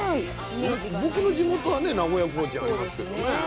僕の地元はね名古屋コーチンありますけどね。